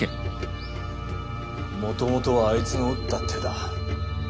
もともとはあいつの打った手だ。